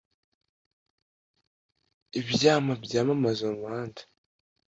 ibyama bya mamaza mumuhanda